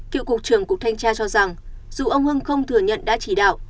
cựu cục trưởng cục thanh tra cho rằng dù ông hưng không thừa nhận đã chỉ đạo